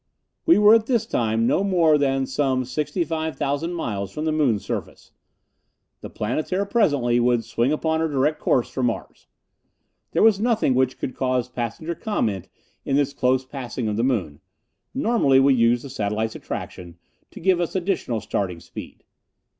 We were at this time no more than some sixty five thousand miles from the moon's surface. The Planetara presently would swing upon her direct course for Mars. There was nothing which could cause passenger comment in this close passing of the moon; normally we used the satellite's attraction to give us additional starting speed.